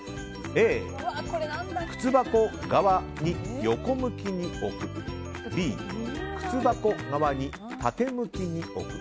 Ａ、靴箱側に横向きに置くＢ、靴箱側に縦向きに置く